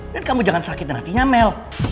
dan kamu jangan sakitin hatinya mel